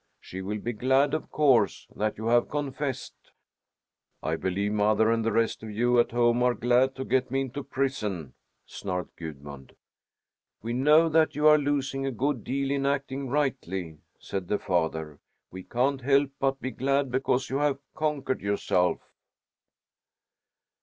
She will be glad, of course, that you have confessed." "I believe mother and the rest of you at home are glad to get me into prison," snarled Gudmund. "We know that you are losing a good deal in acting rightly," said the father. "We can't help but be glad because you have conquered yourself."